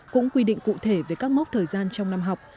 cũng quy định cụ thể về các mốc thời gian trong năm học